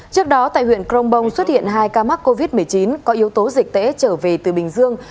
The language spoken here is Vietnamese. trước đó tại huyện crong bông xuất hiện hai ca mắc covid một mươi chín có yếu tố dịch tễ trở về từ bình dương